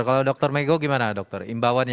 kalau dokter megho gimana dokter imbauannya